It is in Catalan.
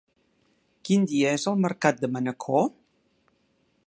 Quin dia és el mercat de Manacor?